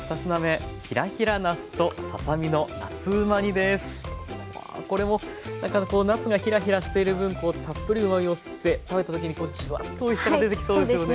きょうの２品目これもなすがヒラヒラしている分たっぷりうまみを吸って食べた時にジュワッとおいしさが出てきそうですよね。